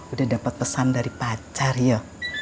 udah dapat pesan dari pacar ya